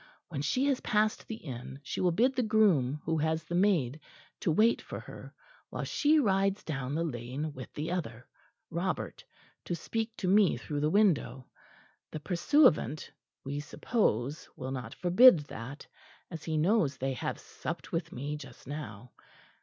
When she has passed the inn she will bid the groom who has the maid to wait for her, while she rides down the lane with the other, Robert, to speak to me through the window. The pursuivant, we suppose, will not forbid that, as he knows they have supped with me just now.